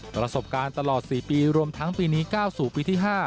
ประสบการณ์ตลอด๔ปีรวมทั้งปีนี้๙สู่ปีที่๕